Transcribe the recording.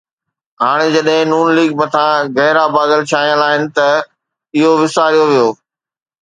هاڻي جڏهن نون ليگ مٿان گہرا بادل ڇانيل آهن ته اهو وساريو ويو